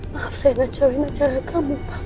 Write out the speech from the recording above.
maaf saya ngejarin acara kamu pak